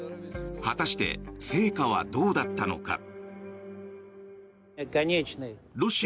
果たして成果はどうだったのか。